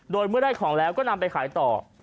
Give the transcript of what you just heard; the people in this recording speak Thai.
โดยเมื่อได้ของแล้วก็นำไปขายต่อ